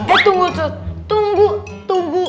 eh tunggu tuk